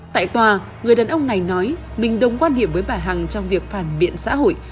tại tòa người đàn ông này nói mình đồng quan điểm với bà hằng trong việc phản biện xã hội